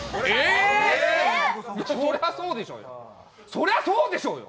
そりゃそうでしょうよ！